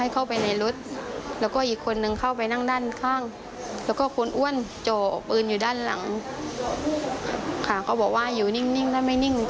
ถ้าไม่นิ่งมันจะยิง